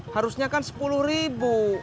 harusnya kan sepuluh ribu